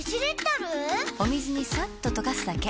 お水にさっと溶かすだけ。